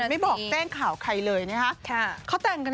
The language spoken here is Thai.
ไม่บอกแจ้งข่าวใครเลยนะคะ